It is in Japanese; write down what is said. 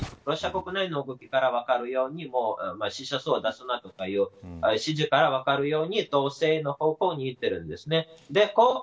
ロシア国内の動きから分かるように死者数を出すなという指示から分かるように統制の方向にいっているんです。